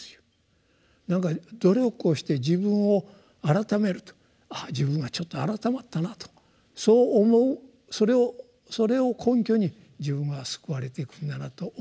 努力をして自分を改めると自分はちょっと改まったなとそう思うそれを根拠に自分は救われていくんだなと思いたい人もいるわけですね。